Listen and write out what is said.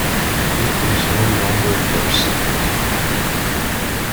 It is no longer your secret.